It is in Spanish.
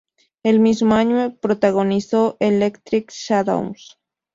El mismo año, protagonizó "Electric Shadows".